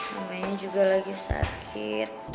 rumahnya juga lagi sakit